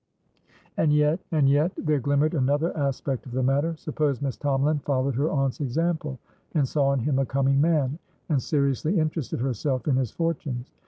And yetand yetthere glimmered another aspect of the matter. Suppose Miss Tomalin followed her aunt's example, and saw in him a coming man, and seriously interested herself in his fortunes?